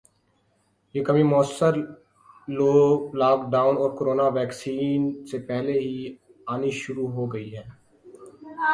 یہ کمی موثر لوک ڈاون اور کورونا ویکسین سے پہلے ہی آنی شروع ہو گئی تھی